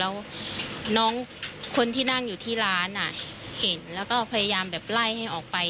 แล้วน้องคนที่นั่งอยู่ที่ร้านเห็นแล้วก็พยายามแบบไล่ให้ออกไป